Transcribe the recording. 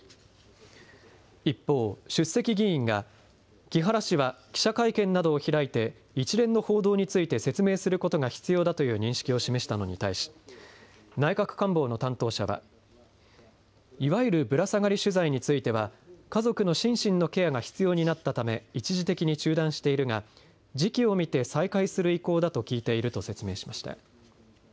一方、出席議員が木原氏は記者会見などを開いて一連の報道について説明することが必要だという認識を示したのに対し内閣官房の担当者はいわゆるぶら下がり取材については家族の心身のケアが必要になったため一時的に中断しているが時期を見て再開する意向だと聞いていると説明しました。